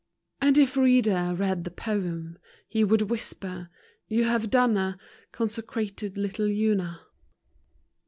And if reader read the poem, He would whisper, "You have done a Consecrated little Una